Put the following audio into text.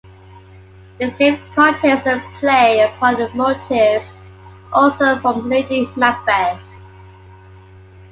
The fifth contains a play upon a motif also from Lady Macbeth.